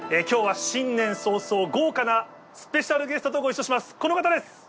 今日は新年早々豪華なスペシャルゲストとご一緒します。